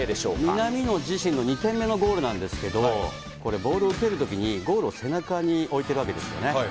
南野自身の２点目のゴールなんですけど、これ、ボールを蹴るときに、ゴールを背中に置いてるわけですよね。